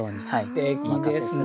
すてきですね。